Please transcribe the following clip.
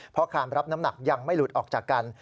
เพราะคามรับน้ำหนักยังไม่หลุดออกจากกัน